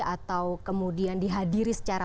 atau kemudian dihadiri secara